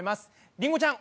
りんごちゃん